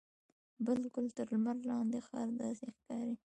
بالکل تر لمر لاندې ښار داسې ښکاري.